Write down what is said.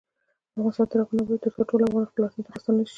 افغانستان تر هغو نه ابادیږي، ترڅو ټول افغانان خپل وطن ته راستانه نشي.